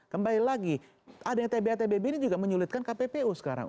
kembali lagi ada tb tbb ini juga menyulitkan kppu sekarang